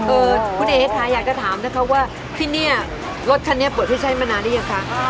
เออคุณเองให้ท้ายอยากจะถามนะคะว่ารถคันนี้ปลดที่ใช่มานานได้ยังคะ